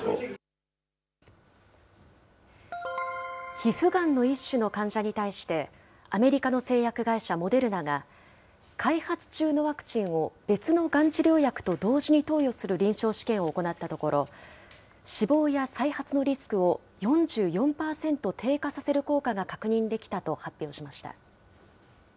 皮膚がんの一種の患者に対して、アメリカの製薬会社、モデルナが、開発中のワクチンを別のがん治療薬と同時に投与する臨床試験を行ったところ、死亡や再発のリスクを４４％低下させる効果が確認できたと発表しました。